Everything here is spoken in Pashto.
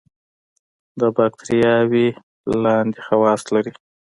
دا باکتریاوې لاندې خواص لري.